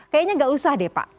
kayaknya nggak usah deh pak